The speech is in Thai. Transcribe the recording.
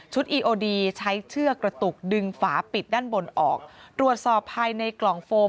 อีโอดีใช้เชือกกระตุกดึงฝาปิดด้านบนออกตรวจสอบภายในกล่องโฟม